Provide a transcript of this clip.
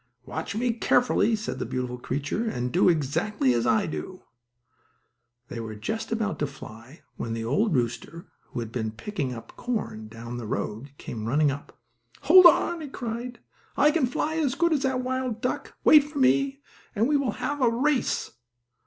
"Watch me carefully," said the beautiful creature, "and do exactly as I do." They were just about to fly, when the old rooster, who had been picking up corn down the road, come running up. "Hold on!" he cried, "I can fly as good as that wild duck! Wait for me and we will have a race!"